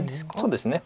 そうですね